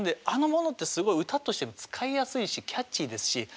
「あ」のものってすごい歌としても使いやすいしキャッチーですし。